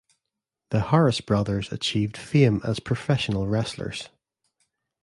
The Harris Brothers achieved fame as professional wrestlers.